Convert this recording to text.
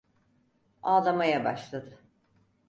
Ağlamaya başladı.